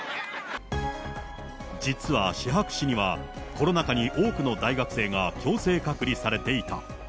実はシハク市には、コロナ禍に多くの大学生が強制隔離されていた。